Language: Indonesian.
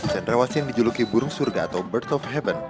cendrawasi yang dijuluki burung surga atau birth of heaven